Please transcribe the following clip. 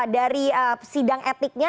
dari sidang etiknya